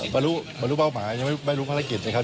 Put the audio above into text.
บรรลุเป้าหมายยังไม่รู้ภารกิจนะครับ